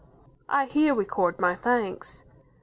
I here record my thanks.